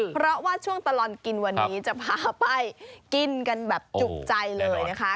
เพราะว่าช่วงตลอดกินวันนี้จะพาไปกินกันแบบจุกใจเลยนะคะ